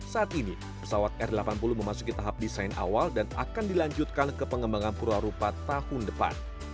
saat ini pesawat r delapan puluh memasuki tahap desain awal dan akan dilanjutkan ke pengembangan purwarupa tahun depan